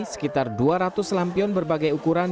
sekitar dua ratus lampion berbagai ukuran